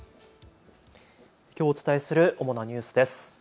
きょうお伝えする主なニュースです。